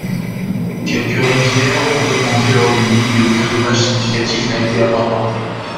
Quelques rivières ont augmenté leur débit mais aucun dommage significatif n’a été rapporté.